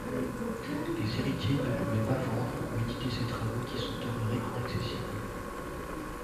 Les héritiers ne pouvaient pas vendre ou éditer ses travaux, qui sont demeurés inaccessibles.